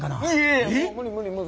いや無理無理無理。